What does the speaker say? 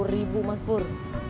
lima puluh ribu mas pur